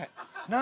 何？